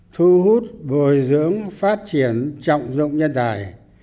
thu hút bồi dưỡng phát triển trọng dụng nhân tài